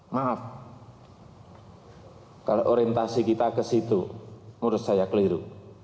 maaf kalau orientasi kita ke situ menurut saya keliru